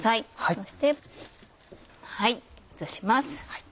そして移します。